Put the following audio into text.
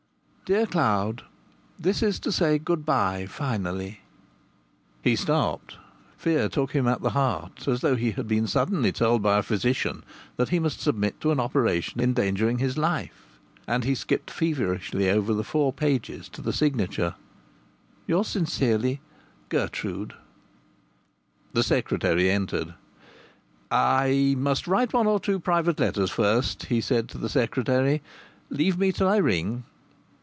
"Dear Cloud, This is to say good bye, finally " He stopped. Fear took him at the heart, as though he had been suddenly told by a physician that he must submit to an operation endangering his life. And he skipped feverishly over the four pages to the signature, "Yours sincerely, Gertrude." The secretary entered. "I must write one or two private letters first," he said to the secretary. "Leave me. I'll ring."